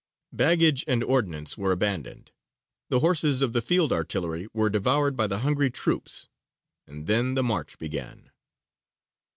_ Baggage and ordnance were abandoned; the horses of the field artillery were devoured by the hungry troops; and then the march began.